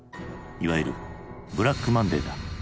いわゆる「ブラックマンデー」だ。